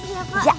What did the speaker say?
makasih ya pak